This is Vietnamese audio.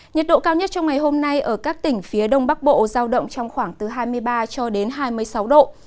nhiệt độ cao nhất trong ngày hôm nay ở các tỉnh phía đông bắc bộ giao động trong khoảng từ hai mươi ba cho đến hai mươi sáu độ